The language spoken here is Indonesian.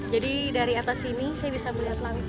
jadi dari atas ini saya bisa melihat langit